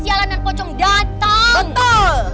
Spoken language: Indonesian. kejalanan pocong datang